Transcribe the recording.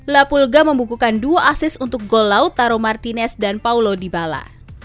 la pulga membukukan dua asis untuk gol laut taro martinez dan paulo dibala